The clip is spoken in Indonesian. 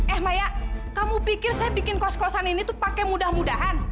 eh maya kamu pikir saya bikin kos kosan ini tuh pakai mudah mudahan